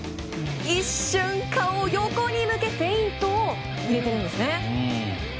一瞬顔を横に向け、フェイントを入れているんですね。